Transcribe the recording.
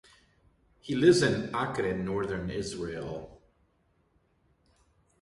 He lives in Acre in northern Israel.